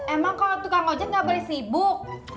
emang kalau tukang ngajak gak boleh sibuk